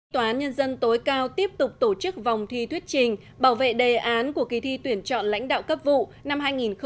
tòa án nhân dân tối cao tiếp tục tổ chức vòng thi thuyết trình bảo vệ đề án của kỳ thi tuyển chọn lãnh đạo cấp vụ năm hai nghìn một mươi bảy hai nghìn một mươi tám